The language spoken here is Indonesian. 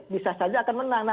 bisa saja akan menang